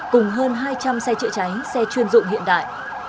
cùng hơn hai trăm linh xe chữa cháy xe chuyên dụng hiện đại